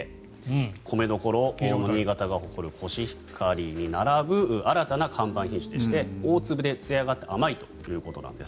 米どころの新潟が誇るコシヒカリに並ぶ新たな看板品種でして大粒でつやがあって甘いということなんです。